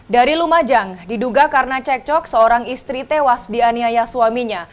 dari lumajang diduga karena cekcok seorang istri tewas dianiaya suaminya